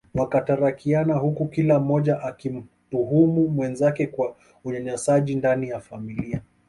Wakatarakiana huku kila mmoja akimtuhumu mwenzake kwa Unyanyasaji ndani ya familia